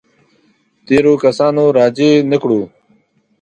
تېرو کسانو راجع نه کړو.